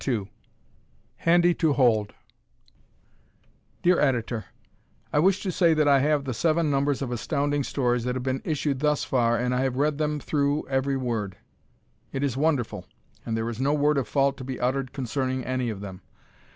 "Handy to Hold" Dear Editor: I wish to say that I have the seven numbers of Astounding Stories that have been issued thus far and I have read them through ever word. It is wonderful, and there is no word of fault to be uttered concerning any of them.